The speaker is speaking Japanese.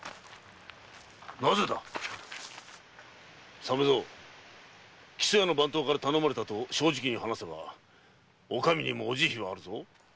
なぜだ⁉鮫三木曽屋の番頭から頼まれたと正直に話せばお上にもお慈悲はあるぞ。